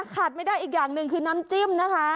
ขาดไม่ได้อีกอย่างหนึ่งคือน้ำจิ้มนะคะ